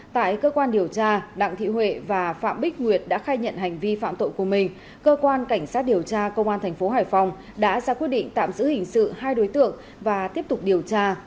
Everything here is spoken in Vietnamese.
tại cơ quan điều tra đặng thị huệ và phạm bích nguyệt đã khai nhận hành vi phạm tội của mình cơ quan cảnh sát điều tra công an tp hải phòng đã ra quyết định tạm giữ hình sự hai đối tượng và tiếp tục điều tra